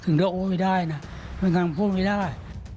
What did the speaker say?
ถึงเดี๋ยวมาพูดไม่ได้นะมันกลางพูดไม่ได้